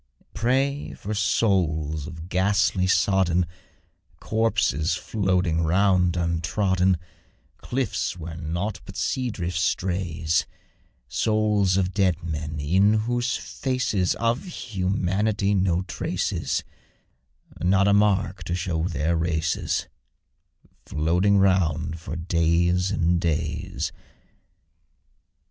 Pray for souls of ghastly, sodden Corpses, floating round untrodden Cliffs, where nought but sea drift strays; Souls of dead men, in whose faces Of humanity no trace is Not a mark to show their races Floating round for days and days.